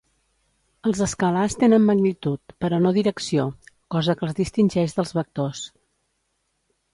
Els escalars tenen magnitud, però no direcció, cosa que els distingeix dels vectors.